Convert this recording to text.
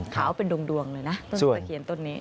ขาวเป็นดวงเลยนะต้นตะเคียนต้นนี้